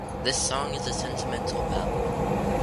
The song is a sentimental ballad.